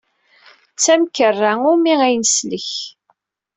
D tamkerra imi ay neslek.